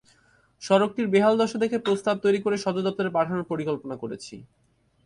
সড়কটির বেহাল দশা দেখে প্রস্তাব তৈরি করে সদর দপ্তরে পাঠানোর পরিকল্পনা করেছি।